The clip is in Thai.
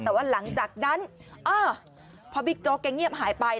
แต่ว่าหลังจากนั้นเออพอบิ๊กโจ๊กแกเงียบหายไป